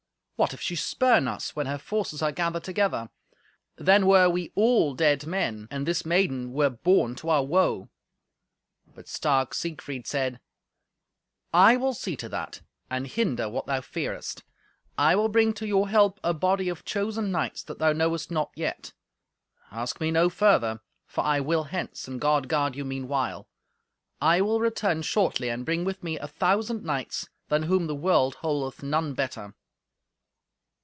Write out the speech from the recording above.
What if she spurn us when her forces are gathered together? Then were we all dead men, and this maiden were born to our woe!" But stark Siegfried said, "I will see to that, and hinder what thou fearest. I will bring to your help a body of chosen knights that thou knowest not yet. Ask me no further, for I will hence, and God guard you meanwhile. I will return shortly, and bring with me a thousand knights, than whom the world holdeth none better."